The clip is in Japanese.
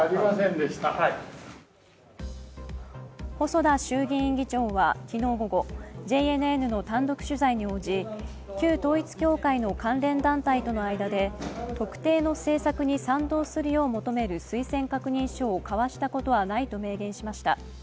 細田衆議院議長は昨日午後、ＪＮＮの単独取材に応じ旧統一教会の関連団体との間で特定の政策に賛同するよう求める推薦確認書を交わしたことはないと明言しました。